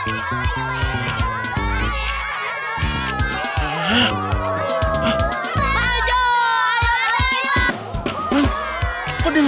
eh aku nyenang